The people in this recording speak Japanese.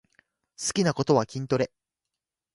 好きなことは筋トレ